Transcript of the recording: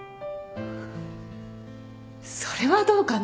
それはどうかな。